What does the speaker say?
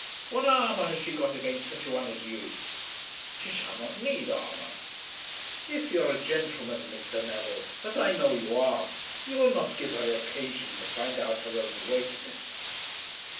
What armour has she got against such a one as you?" "She shall not need armour." "If you're a gentleman, Mr. Neville, as I know you are, you will not give her occasion to find out her own wakeness.